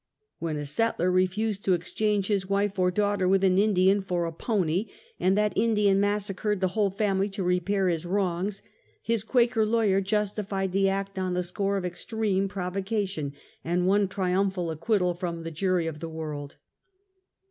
When a settler refused to exchange his wife or daugh ter with an Indian for a pony, and that Indian massa cered the whole family to repair his wrongs, his Qua ker lawyer justified the act on the score of extreme provocation, and won triumphal acquittal from the jury of the world.